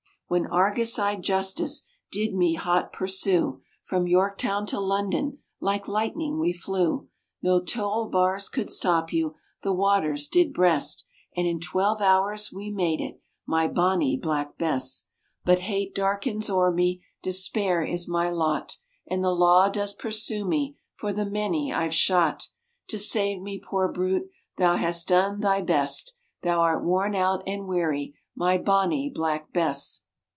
When Argus eyed justice Did me hot pursue, From Yorktown to London Like lightning we flew. No toll bars could stop you, The waters did breast, And in twelve hours we made it, My Bonnie Black Bess. But hate darkens o'er me, Despair is my lot, And the law does pursue me For the many I've shot; To save me, poor brute, Thou hast done thy best, Thou art worn out and weary, My Bonnie Black Bess.